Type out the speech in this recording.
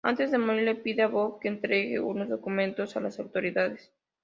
Antes de morir, le pide a Bob que entregue unos documentos a las autoridades.